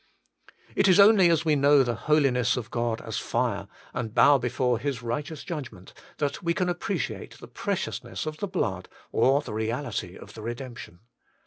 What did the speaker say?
2. It is only as we know the Holiness of God as Fire, and bow before His righteous judgment, that we can appreciate the preciousness of the blood or the reality of the redemption.